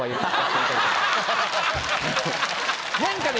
何かね